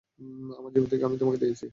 আমার জীবন আমি তোমাকে দিয়েছি।